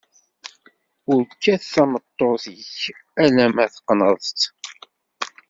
Ur kkat tameṭṭut-ik alemma teqneḍ-tt.